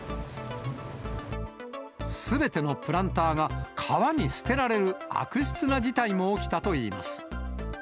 すべてのプランターが、川に捨てられる悪質な事態も起きたといいます。